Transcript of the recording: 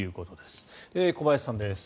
小林さんです。